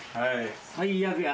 最悪や。